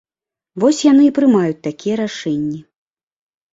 Вось яны і прымаюць такія рашэнні.